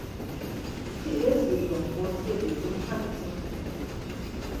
Ti ezdi do ma motzǩedi, mutxa gitzvare.